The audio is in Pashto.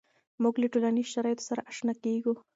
مونږ له ټولنیزو شرایطو سره آشنا کیږو.